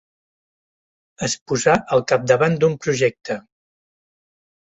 Es posà al capdavant d'un projecte.